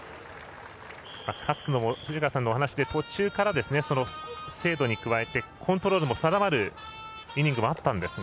勝野も途中から精度に加えてコントロールも定まるイニングもあったんですが。